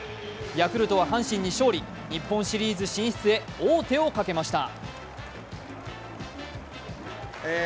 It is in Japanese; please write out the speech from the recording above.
ヤクルトは阪神に勝利、日本シリーズ進出へ王手をかけました。